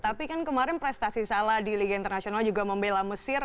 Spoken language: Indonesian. tapi kan kemarin prestasi salah di liga internasional juga membela mesir